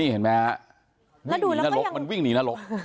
อืมและดูแล้วก็ยังวิ่งหนีนรก